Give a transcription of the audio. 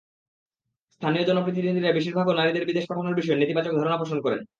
স্থানীয় জনপ্রতিনিধিদের বেশির ভাগও নারীদের বিদেশে পাঠানোর বিষয়ে নেতিবাচক ধারণা পোষণ করেন।